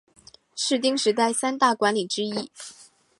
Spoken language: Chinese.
室町时代三大管领之一。